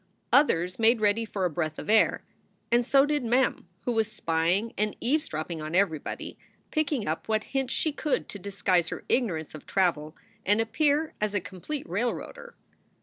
Others made ready for a breath of air. And so did Mem, who was spying and eaves dropping 011 everybody, picking up what hints she could to disguise her ignorance of travel and appear as a complete railroader.